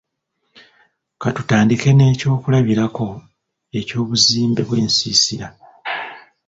Ka tutandike n'ekyokulabirako eky'obuzimbe bw'ensiisira